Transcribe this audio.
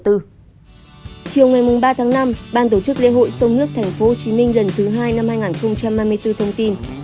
chiều ngày ba tháng năm ban tổ chức lễ hội sông nước tp hcm lần thứ hai năm hai nghìn hai mươi bốn thông tin